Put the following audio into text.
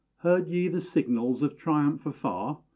heard ye the signals of triumph afar?